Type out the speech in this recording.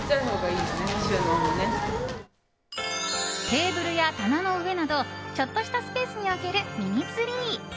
テーブルや棚の上などちょっとしたスペースに置けるミニツリー。